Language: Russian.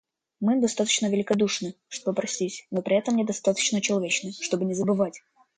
Мы достаточно великодушны, чтобы простить, но при этом достаточно человечны, чтобы не забывать.